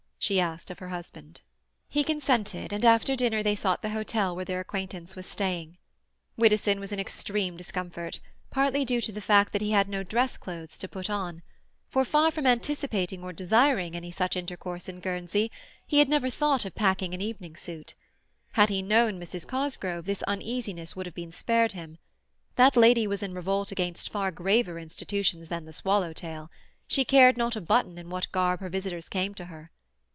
she asked of her husband. He consented, and after dinner they sought the hotel where their acquaintance was staying. Widdowson was in extreme discomfort, partly due to the fact that he had no dress clothes to put on; for far from anticipating or desiring any such intercourse in Guernsey, he had never thought of packing an evening suit. Had he known Mrs. Cosgrove this uneasiness would have been spared him. That lady was in revolt against far graver institutions than the swallow tail; she cared not a button in what garb her visitors came to her.